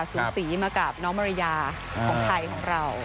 สูสีมากับน้องมารยาของไทยของเรา